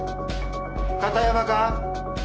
片山か？